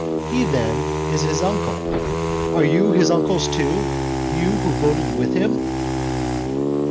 He, then, is his uncle, are you his uncles too, you who voted with him?